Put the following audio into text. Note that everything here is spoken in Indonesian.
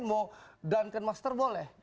atau duncan master boleh